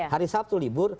hari sabtu libur